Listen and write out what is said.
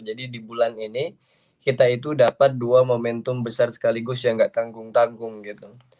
jadi di bulan ini kita itu dapat dua momentum besar sekaligus yang gak tanggung tanggung gitu